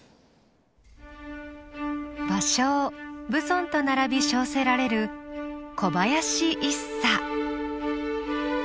芭蕉蕪村と並び称せられる小林一茶。